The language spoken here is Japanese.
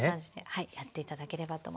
はいやって頂ければと思います。